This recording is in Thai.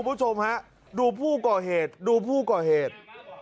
คุณผู้ชมฮะดูผู้ก่อเหตุดูผู้ก่อเหตุ